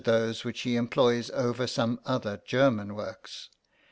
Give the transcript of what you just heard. } those which he employs over some other German works.